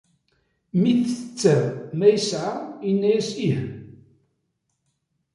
Mi t-tetter ma yeɛya, yenna-as ih.